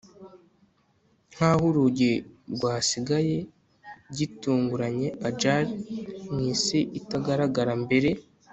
Nkaho urugi rwasigaye gitunguranye ajar mwisi itagaragara mbere